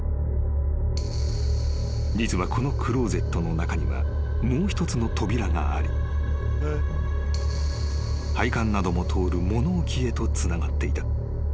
［実はこのクローゼットの中にはもう一つの扉があり配管なども通る物置へとつながっていた］